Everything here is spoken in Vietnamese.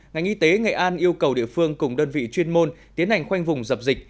ngành y tế nghệ an yêu cầu địa phương cùng đơn vị chuyên môn tiến hành khoanh vùng dập dịch